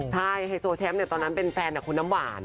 ใช่ไฮโซแชมป์ตอนนั้นเป็นแฟนกับคุณน้ำหวาน